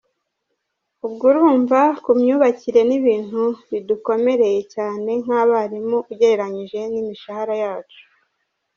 ubwo urumva ku myubakire n’ibintu bidukomereye cyane nk’abarimu ugereranyije n’imishahara yacu”